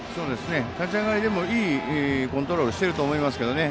立ち上がりいいコントロールしてると思いますけどね。